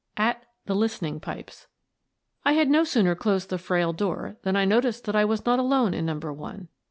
AT "THE LISTENING PIPES n I had no sooner closed the frail door than I no ticed that I was not alone in Number One.